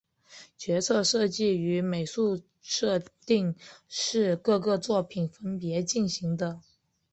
角色设计与美术设定是各个作品分别进行的。